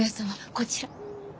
こちら。